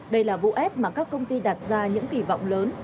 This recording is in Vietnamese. đây là vụ ép mà các công ty đặt ra những kỳ vọng lớn